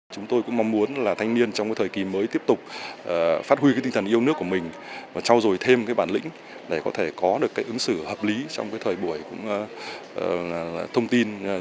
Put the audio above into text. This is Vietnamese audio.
chúng tôi cũng mong muốn là thanh niên trong thời kỳ mới tiếp tục phát huy tinh thần yêu nước của mình và trao dồi thêm bản lĩnh để có thể có thêm thông tin